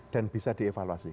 dan bisa dievaluasi